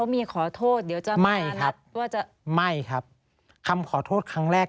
ไม่ครับคำขอโทษครั้งแรก